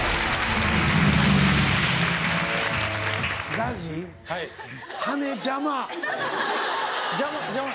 ＺＡＺＹ羽邪魔。